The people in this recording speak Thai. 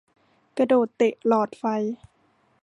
กระโดดเตะหลอดไฟ